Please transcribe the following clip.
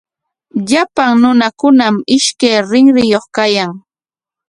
Llapan runakunami ishkay rinriyuq kayan.